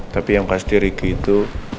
tapi yang pasti ricky itu